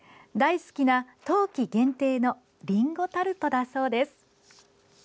大好きな、冬季限定のリンゴタルトだそうです。